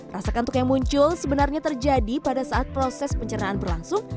rasa kantuk yang muncul sebenarnya terjadi pada saat proses pencernaan berlangsung